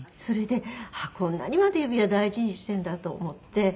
それであっこんなにまで指輪大事にしてるんだと思って。